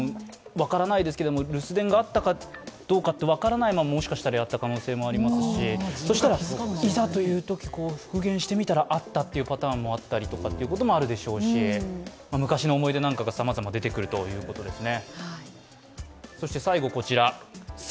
留守電があったかどうか分からないままもしかしたらやった可能性がありますしそしたら、いざというとき復元したらあったというパターンもあるでしょうし、昔の思い出なんかがさまざま出てくるということですね。